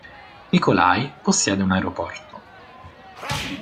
Nikolai possiede un aeroporto.